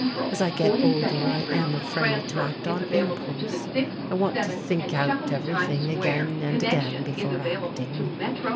As I get older I am afraid to act on impulse. I want to think out everything again and again before acting."